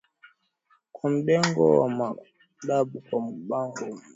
kwa Mdengo wa Magadu na kwa Mbago wa Mgeta nakadhalikaSultan Baadhi walioathiriwa na